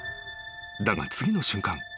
［だが次の瞬間